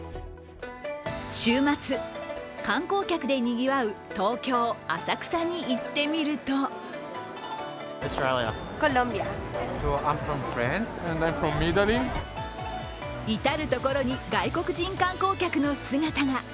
週末、観光客でにぎわう東京・浅草に行ってみると至る所に外国人観光客の姿が。